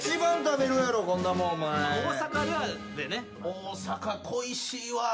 大阪恋しいわ。